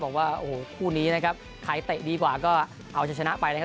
บอกว่าโอ้โหคู่นี้นะครับใครเตะดีกว่าก็เอาจะชนะไปนะครับ